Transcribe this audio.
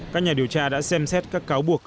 các nhà điều tra đã xem xét các cáo buộc